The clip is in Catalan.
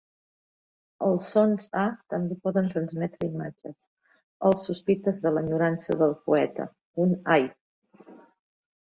Els sons "a" també poden transmetre imatges: els sospites de l'enyorança del poeta; un "ai!